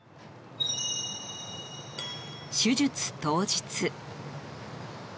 手術当日。